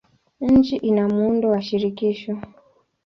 Nchi ina muundo wa shirikisho.